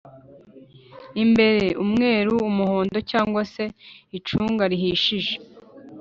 imbere:umweru, Umuhondo cg se icunga rihishije